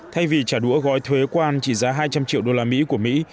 thay vì trả đũa gói thuế quan trị giá hai trăm linh triệu đô la mỹ của mỹ